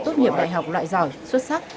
tốt nghiệp đại học loại giỏi xuất sắc